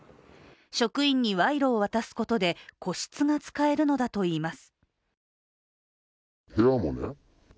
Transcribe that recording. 職員に賄賂を渡すことで個室が使えるのだといいます。